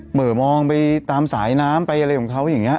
หมอมองไปตามสายน้ำไปอะไรของเขาอย่างนี้